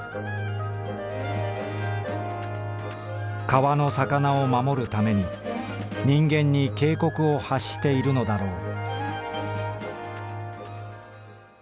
「川の魚を守るために人間に警告を発しているのだろう」。